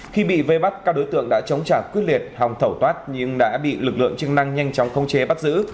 khi bị vây bắt các đối tượng đã chống trả quyết liệt hòng tẩu thoát nhưng đã bị lực lượng chức năng nhanh chóng khống chế bắt giữ